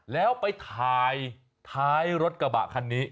แล้วไปถ่ายท้ายรถกระบะคันนี้